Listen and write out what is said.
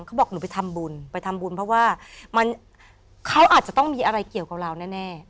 เขาบอกหนูไปทำบุญไปทำบุญเพราะว่ามันเขาอาจจะต้องมีอะไรเกี่ยวกับเราแน่